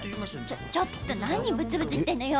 ちょちょっとなにブツブツいってんのよ。